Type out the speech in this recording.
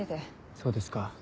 そうですか